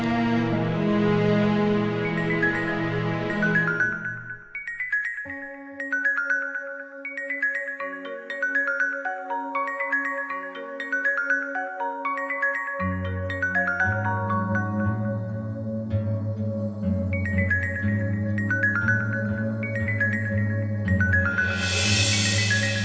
terima kasih atas dukunganmu